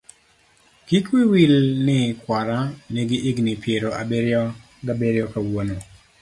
kik wiyi wil ni kwara nigi higni piero abiriyo ga biriyo kawuono.